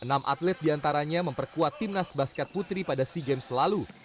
enam atlet diantaranya memperkuat timnas basket putri pada sea games selalu